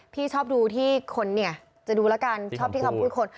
พี่ชอบดูที่คนเนี่ยจะดูแล้วกันชอบที่คำพูดคน